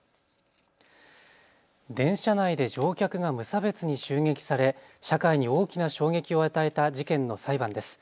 電車内で乗客が無差別に襲撃され社会に大きな衝撃を与えた事件の裁判です。